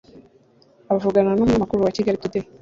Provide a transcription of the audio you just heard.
Avugana n’umunyamakuru wa Kigalitoday